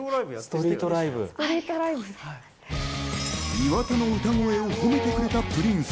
岩田の歌声を褒めてくれたプリンス。